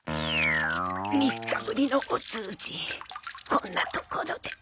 ３日ぶりのお通じこんな所で。